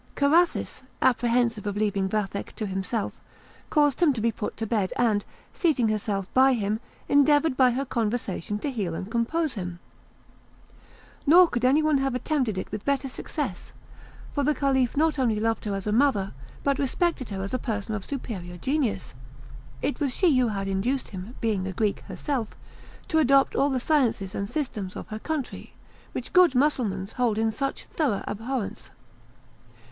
Carathis, apprehensive of leaving Vathek to himself, caused him to be put to bed, and seating herself by him, endeavoured by her conversation to heal and compose him. Nor could any one have attempted it with better success, for the Caliph not only loved her as a mother, but respected her as a person of superior genius; it was she who had induced him, being a Greek herself, to adopt all the sciences and systems of her country, which good Mussulmans hold in such thorough abhorrence.